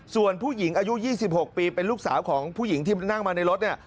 ส่วนผู้หญิงอายุ๒๖ปีเป็นลูกสาวของผู้หญิงที่นั่งมาในรถเนี่ย